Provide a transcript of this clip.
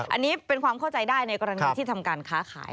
อันนี้เป็นความเข้าใจได้ในกรณีที่ทำการค้าขาย